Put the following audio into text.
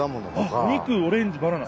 あっお肉オレンジバナナ。